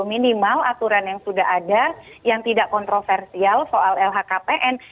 minimal aturan yang sudah ada yang tidak kontroversial soal lhkpn